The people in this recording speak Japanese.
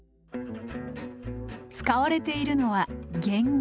使われているのはゲンゲ。